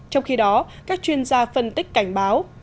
trong khi đó các chuyên gia phân tích cảnh báo